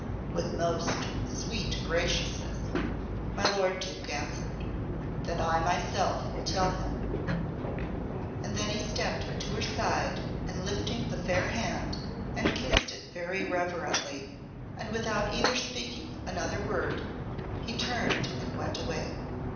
"With most sweet graciousness," my lord Duke answered her. "That I myself will tell him." And then he stepped to her side and lifted the fair hand and kissed it very reverently, and without either speaking another word he turned and went away.